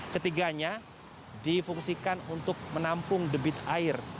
ketiganya difungsikan untuk menampung debit air